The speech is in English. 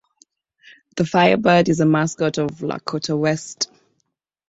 The Firebird is the mascot of Lakota West.